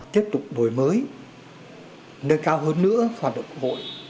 tiếp tục đổi mới nâng cao hơn nữa hoạt động quốc hội